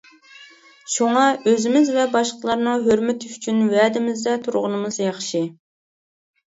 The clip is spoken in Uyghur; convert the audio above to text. شۇڭا ئۆزىمىز ۋە باشقىلارنىڭ ھۆرمىتى ئۈچۈن ۋەدىمىزدە تۇرغىنىمىز ياخشى.